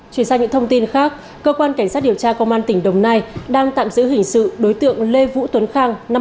chuyển sang những thông tin khác cơ quan cảnh sát điều tra công an tỉnh đồng nai đang tạm giữ hình sự đối tượng lê vũ tuấn khang